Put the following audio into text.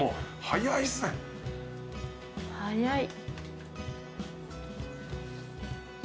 早い。